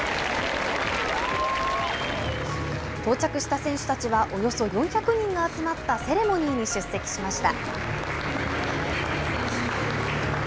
到着した選手たちは、およそ４００人が集まったセレモニーに出席しました。